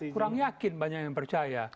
kurang yakin banyak yang percaya